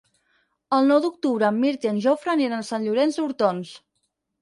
El nou d'octubre en Mirt i en Jofre aniran a Sant Llorenç d'Hortons.